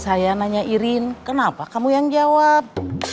saya nanya irin kenapa kamu yang jawab